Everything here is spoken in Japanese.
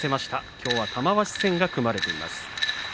きょうは玉鷲戦が組まれています。